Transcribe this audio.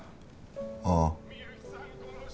ああ。